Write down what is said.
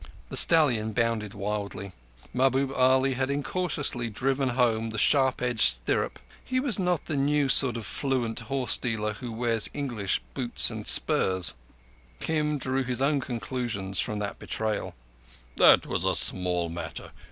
The stallion bounded wildly. Mahbub Ali had incautiously driven home the sharp edged stirrup. (He was not the new sort of fluent horse dealer who wears English boots and spurs.) Kim drew his own conclusions from that betrayal. "That was a small matter.